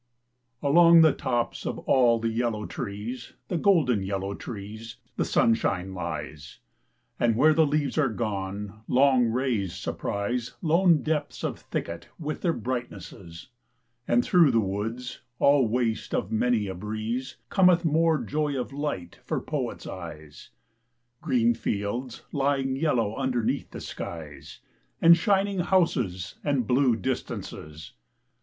Along the tops of all the yellow trees, The golden yellow trees, the sunshine lies; And where the leaves are gone, long rays surprise Lone depths of thicket with their brightnesses; And through the woods, all waste of many a breeze, Cometh more joy of light for Poet's eyes Green fields lying yellow underneath the skies, And shining houses and blue distances.